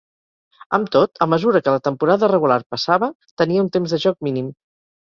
Amb tot, a mesura que la temporada regular passava, tenia un temps de joc mínim.